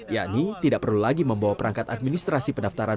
yakni tidak perlu lagi membawa perangkat administrasi pendaftaran